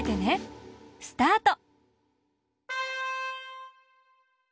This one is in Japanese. スタート！